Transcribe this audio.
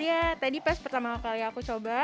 iya tadi pas pertama kali aku coba